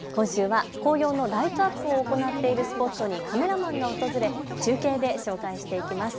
今週は紅葉のライトアップを行っているスポットにカメラマンが訪れ、中継で紹介していきます。